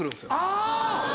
あぁ！